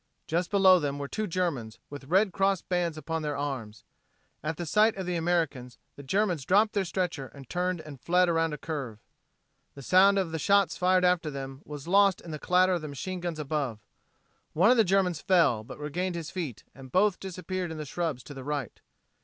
Just below them were two Germans, with Red Cross bands upon their arms. At the sight of the Americans, the Germans dropped their stretcher, turned and fled around a curve. The sound of the shots fired after them was lost in the clatter of the machine guns above. One of the Germans fell, but regained his feet, and both disappeared in the shrubs to the right.